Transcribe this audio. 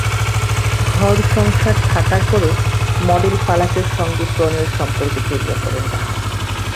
ঘর-সংসার থাকার পরও মডেল ফালাকের সঙ্গে প্রণয়ের সম্পর্কে জড়িয়ে পড়েন রাহাত।